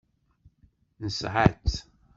Nesɛa-tt.